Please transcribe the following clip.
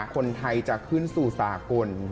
คนไทยจะขึ้นสู่สากล